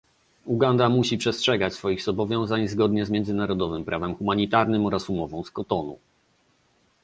Uganda musi przestrzegać swoich zobowiązań zgodnie z międzynarodowym prawem humanitarnym oraz umową z Kotonu